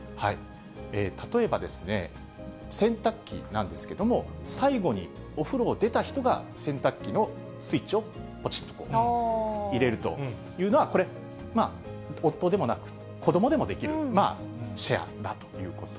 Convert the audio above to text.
例えば、洗濯機なんですけれども、最後にお風呂を出た人が洗濯機のスイッチをぽちっと入れるというのは、これ、夫でもなく、子どもでもできるシェアだということ。